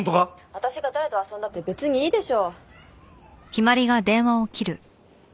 私が誰と遊んだって別にいいでしょ。